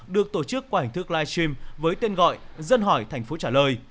được tổ chức qua hình thức live stream với tên gọi dân hỏi thành phố trả lời